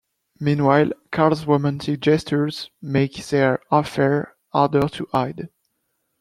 Meanwhile, Karl's romantic gestures make their affair harder to hide.